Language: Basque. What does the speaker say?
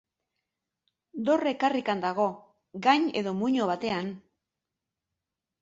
Dorre karrikan dago, gain edo muino batean.